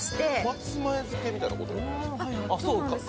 松前漬けみたいなこと？